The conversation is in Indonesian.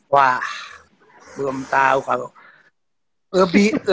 wah belum tahu kalau